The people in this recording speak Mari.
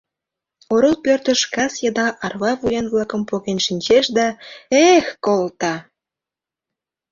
Орол пӧртыш кас еда арва вуян-влакым поген шинчеш да, э-эх, колта!